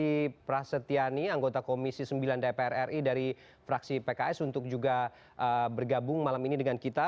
terima kasih prasetyani anggota komisi sembilan dpr ri dari fraksi pks untuk juga bergabung malam ini dengan kita